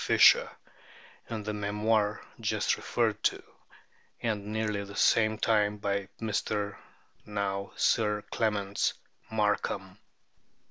Fischer in the memoir just referred to, and at nearly the same time by Mr. (now Sir Clements) Markham.